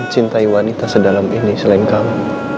cintai wanita sedalam ini selain kamu